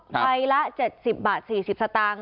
ใบละ๗๐บาท๔๐สตางค์